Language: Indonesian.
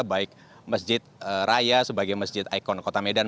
baik masjid raya sebagai masjid ikon kota medan